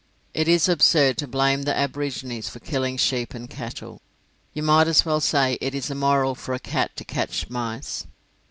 It is absurd to blame the aborigines for killing sheep and cattle. You might as well say it is immoral for a cat to catch mice.